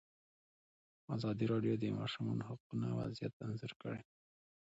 ازادي راډیو د د ماشومانو حقونه وضعیت انځور کړی.